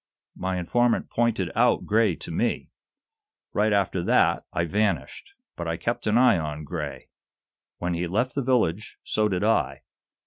"My informant pointed out Gray to me. Right after that, I vanished. But I kept an eye on Gray. When he left the village, so did I.